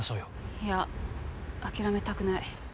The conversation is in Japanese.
いや、諦めたくない。